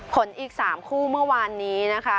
อีก๓คู่เมื่อวานนี้นะคะ